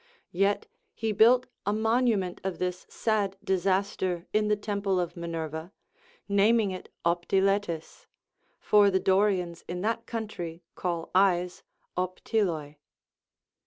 Yet he built a monument of this sad disaster in the temple of Minerva, naming it Op tiletis, — for the Dorians in that country call eyes opt'doi.